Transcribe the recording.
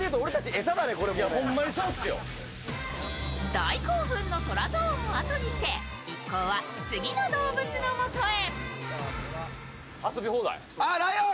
大興奮のトラゾーンをあとにして、一行は次の動物のもとへ。